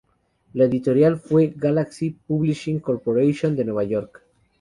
La editorial fue Galaxy Publishing Corporation de Nueva York.